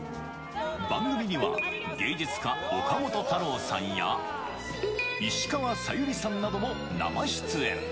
番組には芸術家、岡本太郎さんや、石川さゆりさんなども生出演。